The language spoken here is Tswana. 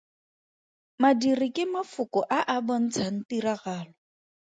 Madiri ke mafoko a a bontshang tiragalo.